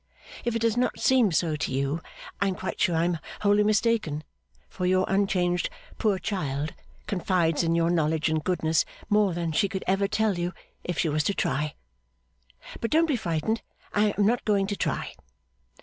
If it does not seem so to you, I am quite sure I am wholly mistaken; for your unchanged poor child confides in your knowledge and goodness more than she could ever tell you if she was to try. But don't be frightened, I am not going to try.